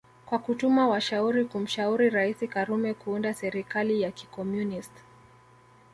kwa kutuma washauri kumshauri raisi karume kuunda serikali ya kikomunist